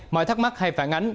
mọi thắc mắc hay phản ánh